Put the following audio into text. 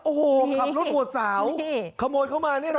โอ้โหขับรถหัวสาวขโมยเข้ามาเนี่ยนะ